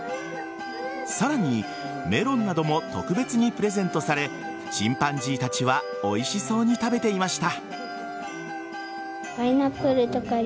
さらにメロンなども特別にプレゼントされチンパンジーたちはおいしそうに食べていました。